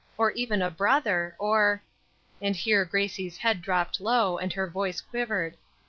or even a brother, or," and here Gracie's head dropped low, and her voice quivered.